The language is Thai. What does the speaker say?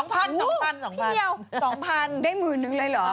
พี่เมียว๒๐๐๐ได้หมื่นนึงเลยหรอ๑๐๐๐๑๐๐๐